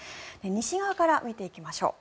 西側から見ていきましょう。